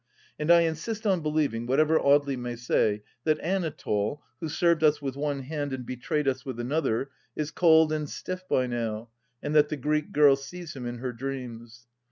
And I insist on believing, what ever Audely may say, that Anatole, who served us with one hand and betrayed us with another, is cold and stiff by now, and that the Greek girl sees him in her dreams.